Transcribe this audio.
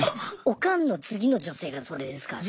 オカンの次の女性がそれですからね。